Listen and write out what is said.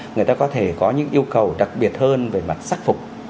người ta có thể có những yêu cầu đặc biệt hơn về mặt sắc phục